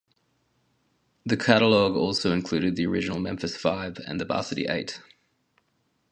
The catalogue also included the Original Memphis Five and the Varsity Eight.